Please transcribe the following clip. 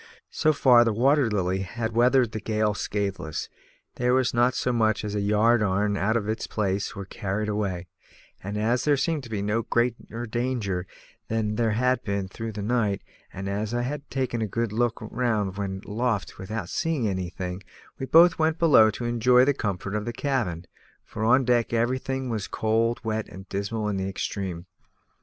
So far the Water Lily had weathered the gale scatheless; there was not so much as a ropeyarn out of its place or carried away; and as there seemed to be no greater danger than there had been through the night, and as I had taken a good look round when aloft without seeing anything, we both went below to enjoy the comfort of the cabin, for on deck everything was cold, wet, and dismal in the extreme.